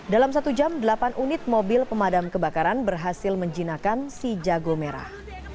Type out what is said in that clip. dalam satu jam delapan unit mobil pemadam kebakaran berhasil menjinakan si jago merah